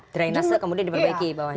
drainase kemudian diperbaiki bawahnya